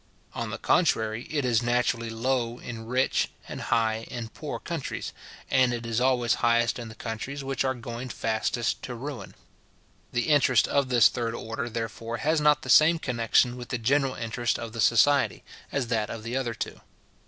On the contrary, it is naturally low in rich, and high in poor countries, and it is always highest in the countries which are going fastest to ruin. The interest of this third order, therefore, has not the same connexion with the general interest of the society, as that of the other two.